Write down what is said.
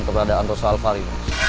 keberadaan rasa alvari